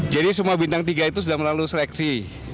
jadi semua bintang tiga itu sudah melalui seleksi